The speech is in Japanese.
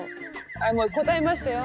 もう答えましたよ。